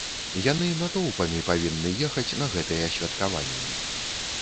Яны натоўпамі павінны ехаць на гэтыя святкаванні.